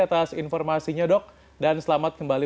atas informasinya dok dan selamat kembali